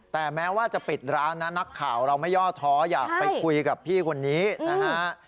แต่แม้ว่าจะปิดร้านนะนักข่าวเราไม่ย่อท้ออยากไปคุยกับพี่คนนี้นะฮะ